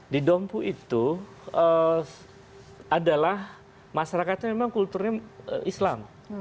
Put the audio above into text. di dompu itu adalah masyarakatnya memang kulturnya islam